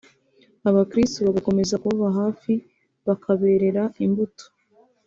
Abakirisitu bagakomeza kubaba hafi bakaberera imbuto